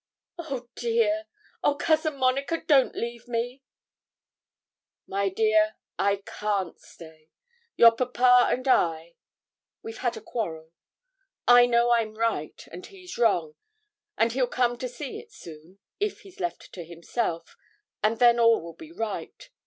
'Oh, dear! Oh, Cousin Monica, don't leave me.' 'My dear, I can't stay; your papa and I we've had a quarrel. I know I'm right, and he's wrong, and he'll come to see it soon, if he's left to himself, and then all will be right.